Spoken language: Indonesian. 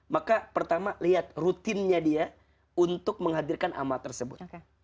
maka pertama lihat rutinnya dia untuk menghadirkan amal tersebut